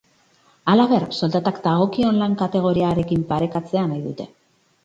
Halaber, soldatak dagokion lan-kategoriarekin parekatzea nahi dute.